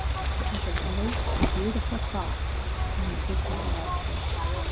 It was a great and beautiful thought, and Dickie loved it.